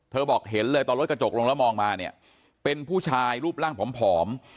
บอกเห็นเลยตอนรถกระจกลงแล้วมองมาเนี่ยเป็นผู้ชายรูปร่างผอม